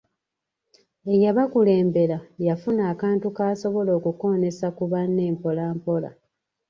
Eyabakulembera yafuna akantu k'asobola okukoonesa ku banne mpolampola.